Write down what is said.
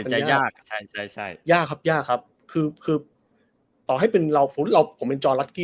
มันยากใช่ใช่ยากครับยากครับคือคือต่อให้เป็นเราผมเป็นจอรัสกิน